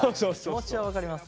気持ちは分かります。